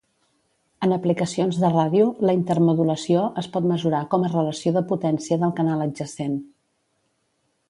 En aplicacions de ràdio, la intermodulació es pot mesurar com a relació de potència del canal adjacent.